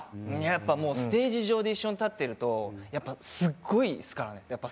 やっぱもうステージ上で一緒に立ってるとやっぱすっごいですからね。